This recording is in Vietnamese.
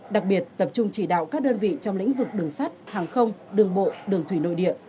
đặc biệt tập trung chỉ đạo các đơn vị trong lĩnh vực đường sắt hàng không đường bộ đường thủy nội địa